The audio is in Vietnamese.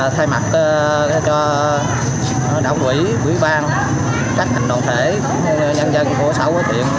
thay mặt cho đạo quỹ quỹ ban các hành động thể nhân dân của xã cuối thiện